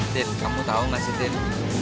din kamu tau mas ya din